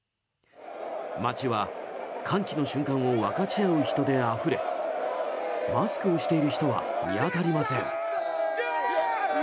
街は、歓喜の瞬間を分かち合う人であふれマスクをしている人は見当たりません。